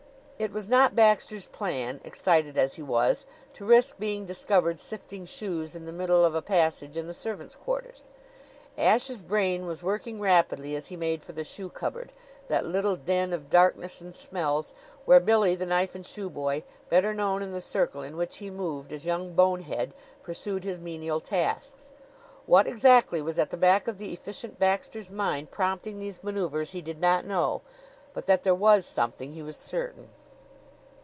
It was not Baxter's plan, excited as he was, to risk being discovered sifting shoes in the middle of a passage in the servants' quarters. Ashe's brain was working rapidly as he made for the shoe cupboard, that little den of darkness and smells, where Billy, the knife and shoe boy, better known in the circle in which he moved as Young Bonehead, pursued his menial tasks. What exactly was at the back of the Efficient Baxter's mind prompting these maneuvers he did not know; but that there was something he was certain.